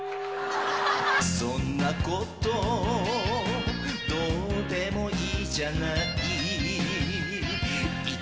そんなことどうでもいいじゃない